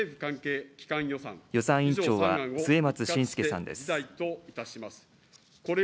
予算委員長は末松信介さんです。